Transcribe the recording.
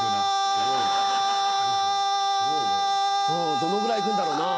どのぐらい行くんだろうなぁ。